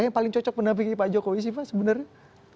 yang paling cocok mendampingi pak jokowi sih pak sebenarnya